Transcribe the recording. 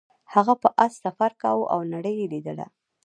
هغه په اس سفر کاوه او نړۍ یې لیدله.